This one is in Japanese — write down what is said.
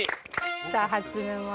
じゃあ始めます。